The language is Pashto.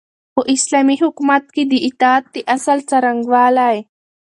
په اسلامي حکومت کي د اطاعت د اصل څرنګوالی